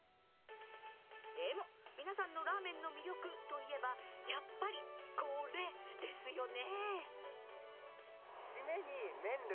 でも、皆さんのラーメンの魅力といえば、やっぱり、これですよね。